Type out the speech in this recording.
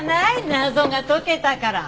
謎が解けたから。